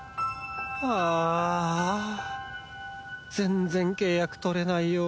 はあ全然契約取れないよ